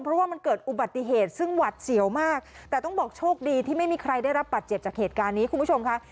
เพราะว่ามันเกิดอุบัติเหตุซึ่งหวัดเสียวมากแต่ต้องบอกโชคดีที่ไม่มีใครได้รับบัตรเจ็บจากเหตุการณ์นี้คุณผู้ชมค่ะ